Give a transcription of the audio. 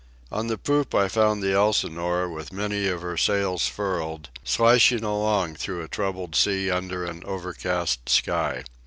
On the poop I found the Elsinore, with many of her sails furled, slashing along through a troubled sea under an overcast sky.